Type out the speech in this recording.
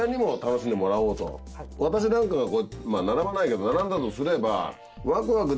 私なんかが並ばないけど並んだとすれば。